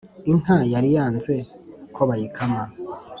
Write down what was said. Inka yari yanze ko bayikama